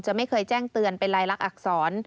ไม่เคยแจ้งเตือนเป็นลายลักษณอักษร